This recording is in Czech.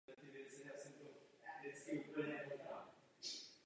Oba tito skladatelé měli velký vliv na jeho další hudební vývoj.